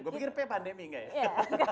gue pikir p pandemi nggak ya